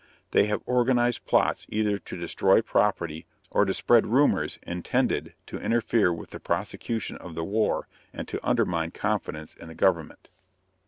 They have organized plots either to destroy property, or to spread rumors intended to interfere with the prosecution of the war and to undermine confidence in the government.